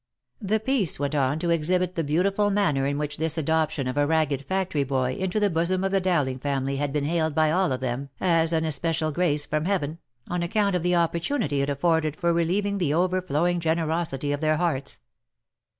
105 The piece went on to exhibit the beautiful manner in which this adoption of a ragged factory boy into the bosom of the Dowling family had been hailed by all of them as an especial grace from heaven, on account of the opportunity it afforded for relieving the overflowing generosity of their hearts.